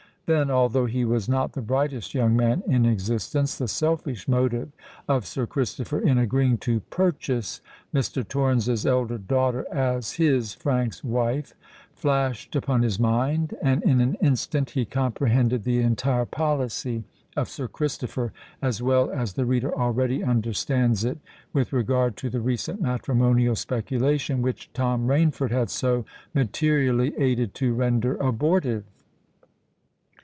Then—although he was not the brightest young man in existence—the selfish motive of Sir Christopher, in agreeing to purchase Mr. Torrens's elder daughter as his (Frank's) wife, flashed upon his mind; and in an instant he comprehended the entire policy of Sir Christopher as well as the reader already understands it, with regard to the recent matrimonial speculation, which Tom Rainford had so materially aided to render abortive.